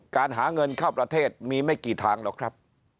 การหาเงินเข้าประเทศมีไม่กี่ทางหรอกครับ